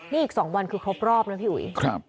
นี่อีก๒วันคือครบรอบนะพี่อุ๋ย